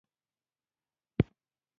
بېکارۍ او ناسم وېش کې کموالی پرمختیا ده.